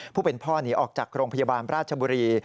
ผู้เป็นพ่อหนีออกจากโรงพยาบาลราชบุรี